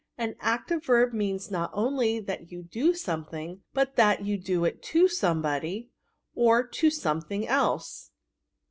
An active verb means not only that you do something, but that you do it to somebody or to something else.